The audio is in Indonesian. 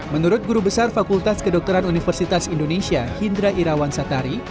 menurut guru besar fakultas kedokteran universitas indonesia hindra irawan satari